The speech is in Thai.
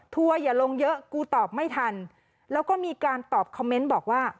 ทัวร์อย่าลงเยอะกูตอบไม่ทันแล้วก็มีการตอบคอมเมนต์บอกว่า